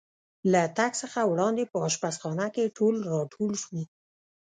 له تګ څخه وړاندې په اشپزخانه کې ټول را ټول شو.